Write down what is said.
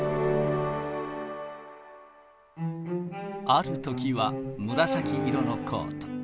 あるときは紫色のコート。